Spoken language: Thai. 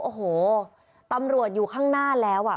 โอ้โหตำรวจอยู่ข้างหน้าแล้วอ่ะ